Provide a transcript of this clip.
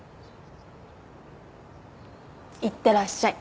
いってらっしゃい。